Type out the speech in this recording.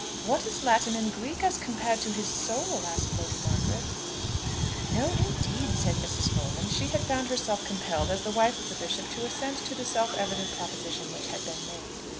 "What is Latin and Greek as compared to his soul?" asked Lady Margaret. "No, indeed," said Mrs. Rolland. She had found herself compelled, as wife of the Bishop, to assent to the self evident proposition which had been made.